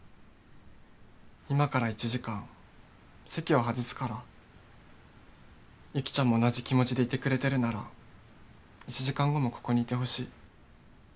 今から１時間席を外すから雪ちゃんも同じ気持ちでいてくれてるなら１時間後もここにいてほしい。